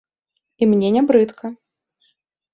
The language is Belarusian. І мне не брыдка.